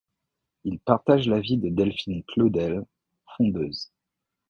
Il partage la vie de Delphine Claudel, fondeuse.